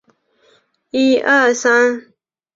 夜晚不会孤单